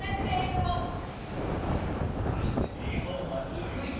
日本はずるいよ。